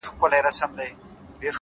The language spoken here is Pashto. يو شاعر پرېږده په سجده چي څه شراب وڅيښي”